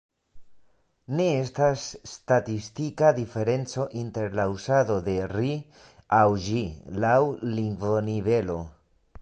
Ne estas statistika diferenco inter la uzado de ”ri” aŭ ”ĝi” laŭ lingvonivelo.